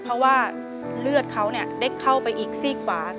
เปลี่ยนเพลงเพลงเก่งของคุณและข้ามผิดได้๑คำ